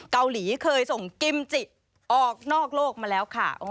เกาหลีเคยส่งกิมจิออกนอกโลกมาแล้วค่ะ